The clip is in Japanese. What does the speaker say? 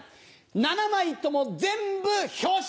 ７枚とも全部表紙！